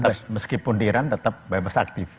dan meskipun di iran tetap bebas aktif